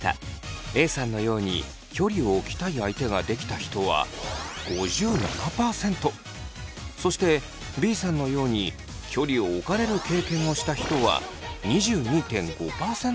Ａさんのように距離を置きたい相手ができた人はそしてＢさんのように距離を置かれる経験をした人は２２．５％いました。